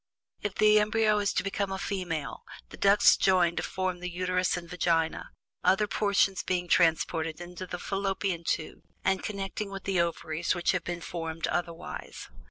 If the embryo is to become a female, the ducts join to form the uterus and vagina, other portions being transformed into the fallopian tubes and connecting with the ovaries which have been formed otherwise.